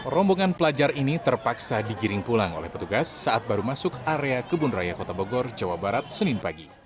rombongan pelajar ini terpaksa digiring pulang oleh petugas saat baru masuk area kebun raya kota bogor jawa barat senin pagi